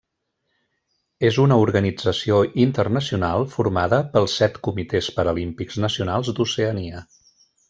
És una organització internacional formada pels set comitès paralímpics nacionals d'Oceania.